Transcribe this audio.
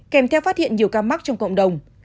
kèm theo phát hiện nhiều ca mắc trong cộng đồng